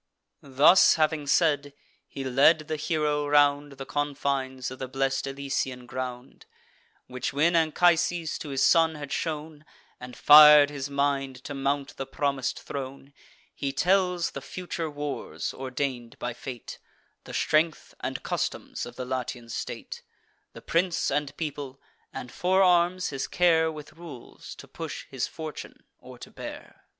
Thus having said, he led the hero round The confines of the blest Elysian ground; Which when Anchises to his son had shown, And fir'd his mind to mount the promis'd throne, He tells the future wars, ordain'd by fate; The strength and customs of the Latian state; The prince, and people; and forearms his care With rules, to push his fortune, or to bear.